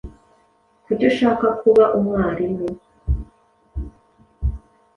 Kuki ushaka kuba umwarimu?